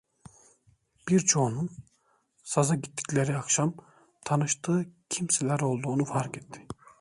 Birçoğunun, saza gittikleri akşam tanıştığı kimseler olduğunu fark etti.